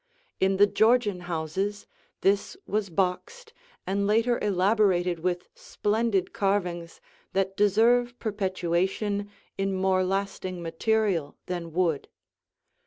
In the Georgian houses, this was boxed and later elaborated with splendid carvings that deserve perpetuation in more lasting material than wood.